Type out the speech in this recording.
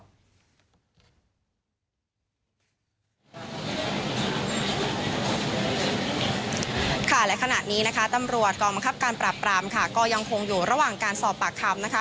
และขณะนี้นะครับตำรวจกรรมคับการปรับปรามก็ยังคงอยู่ระหว่างการสอบปากคำ